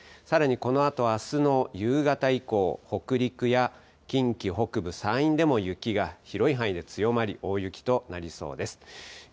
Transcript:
さらにこのあと、あすの夕方以降、北陸や近畿北部、山陰でも雪が広い範囲で強まり、大雪となりそうです。